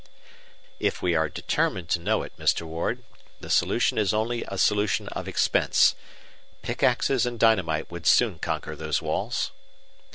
"If we are determined to know it, Mr. Ward, the solution is only a solution of expense. Pickaxes and dynamite would soon conquer those walls."